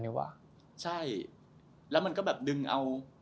ว่ะใช่แล้วมันก็แบบดึงเอา